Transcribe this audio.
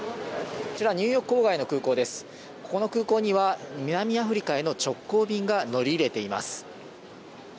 ここの空港には、南アフリカへの直行便が乗り入れています。